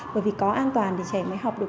bởi vì có an toàn thì trẻ mới học được